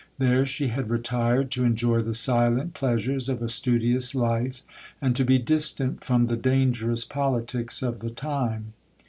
There she had retired to enjoy the silent pleasures of a studious life, and to be distant from the dangerous politics of the time.